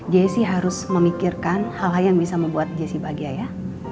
jessi harus memikirkan hal hal yang bisa membuat jessi bahagia ya